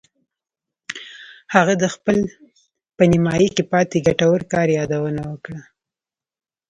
هغه د خپل په نیمایي کې پاتې ګټور کار یادونه وکړه